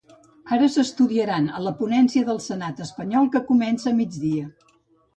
Ara s’estudiaran a la ponència del senat espanyol que comença a migdia.